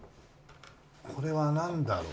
これはなんだろう？